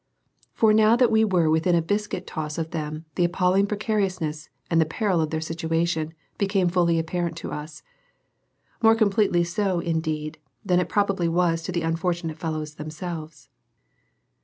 For now that we were within a biscuit toss of them the appalling precariousness and peril of their situation became fully apparent to us; more completely so, indeed, than it probably was to the unfortunate fellows themselves.